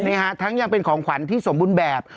นี่ฮะทั้งยังเป็นของขวัญที่สมบูรณ์แบบ